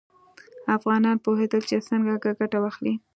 افغانان پوهېدل چې څرنګه ګټه واخلي.